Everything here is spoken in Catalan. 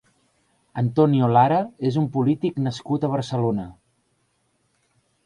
Antonio Lara és un polític nascut a Barcelona.